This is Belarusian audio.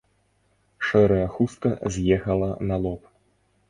Шэрая хустка з'ехала на лоб.